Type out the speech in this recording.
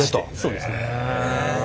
そうですね。